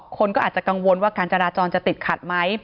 คนก็อาจจะกังวลว่าการจราจรจะติดขัดไหม